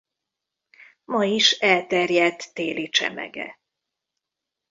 Ma is elterjedt téli csemege.